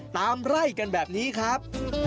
ตามไล่กันแบบนี้ครับ